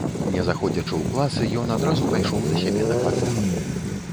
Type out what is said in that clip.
Не заходзячы ў класы, ён адразу пайшоў да сябе на кватэру.